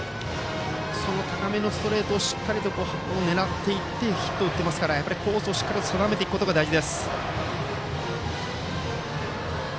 その高めのストレートをしっかり狙っていってヒットを打ってますからコースを定めていくことが大事。